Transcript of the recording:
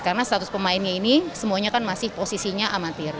karena status pemainnya ini semuanya kan masih posisinya amatir